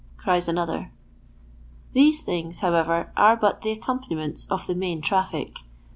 " cries another. These things, however, are but the accompani ments of the main traffic.